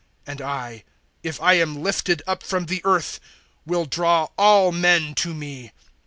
012:032 And I if I am lifted up from the earth will draw all men to me."